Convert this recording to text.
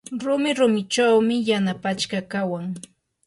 rumi rumichawmi yana pachka kawan.